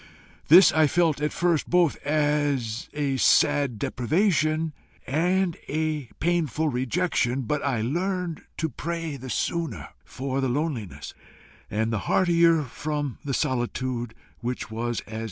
This I felt at first as both a sad deprivation and a painful rejection, but I learned to pray the sooner for the loneliness, and the heartier from the solitude which was as a chamber with closed door.